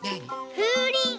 ふうりん。